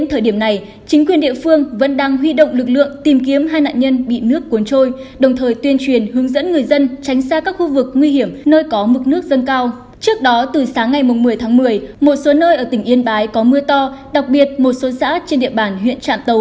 hãy đăng ký kênh để ủng hộ kênh của chúng mình nhé